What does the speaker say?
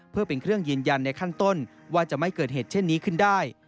เพื่อเป็นเครื่องยืนยันในขั้นต้นว่าจะไม่เกิดเหตุเช่นนี้ขึ้นได้